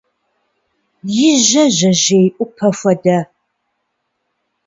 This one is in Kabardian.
И жьэ жьэжьей упӏа хуэдэ.